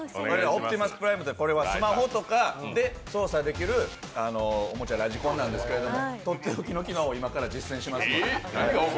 オプティマスプライムってこれはスマホとかで操作できるラジコンなんですけど、とっておきの機能を今から実践しますので。